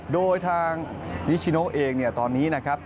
โดยทางนิชิโนเองเนี่ยตอนนี้นะครับ